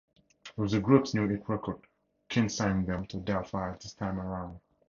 With the group's new hit records, Keane signed them to Del-Fi this time around.